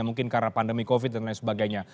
mungkin karena pandemi covid dan lain sebagainya